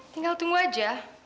tinggal tunggu aja